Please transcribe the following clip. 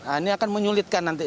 ini akan menyulitkan nanti